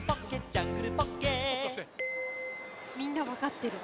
みんなわかってる。